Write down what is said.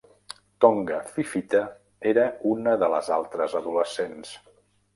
Tonga Fifita era una de les altres adolescents.